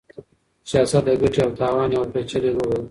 سياست د ګټې او تاوان يوه پېچلې لوبه ده.